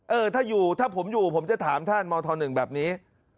เออถ้าอยู่ถ้าผมอยู่ผมจะถามท่านมธ๑แบบนี้